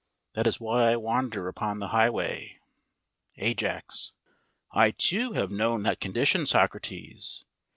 That is why I wander upon the highway. AJAX: I, too, have known that condition, Socrates.